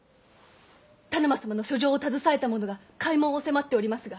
田沼様の書状を携えたものが開門を迫っておりますが。